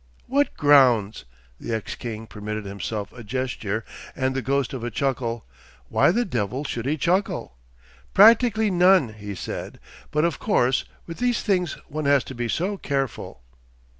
'What grounds?' The ex king permitted himself a gesture and the ghost of a chuckle—why the devil should he chuckle? 'Practically none,' he said. 'But of course with these things one has to be so careful.